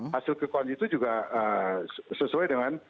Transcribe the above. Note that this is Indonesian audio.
hasil quick count itu juga sesuai dengan